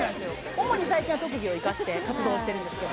主に最近は特技を生かして活動してるんですけど。